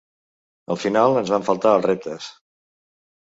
Al final ens van faltar els reptes.